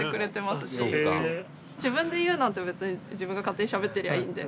自分で言うなんて別に自分が勝手にしゃべってりゃいいんで。